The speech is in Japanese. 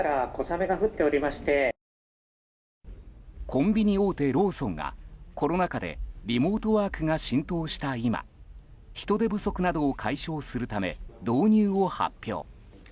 コンビニ大手ローソンがコロナ禍でリモートワークが浸透した今人手不足などを解消するため導入を発表。